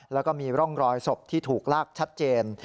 แล้วก็มีร่องรอยศพที่ถูกลากชัดเจน